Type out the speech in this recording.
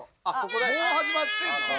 もう始まってんの？